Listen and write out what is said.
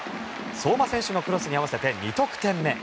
相馬選手のクロスに合わせて２得点目。